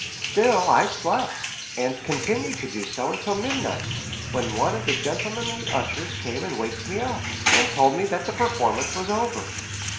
Still I slept, and continued so to do until midnight, when one of the gentlemanly ushers came and waked me up, and told me that the performance was over.